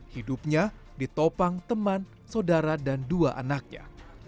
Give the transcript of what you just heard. hidupnya ditopang teman saudara dan dua anaknya